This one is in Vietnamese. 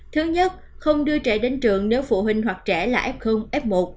thứ nhất không đưa trẻ đến trường nếu phụ huynh hoặc trẻ là f f một